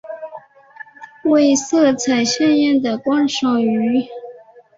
为色彩鲜艳的观赏鱼。